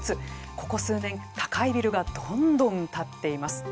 ここ数年、高いビルがどんどん建っています。